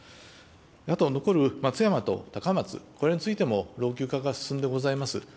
あと残る松山と高松、これについても老朽化が進んでございます。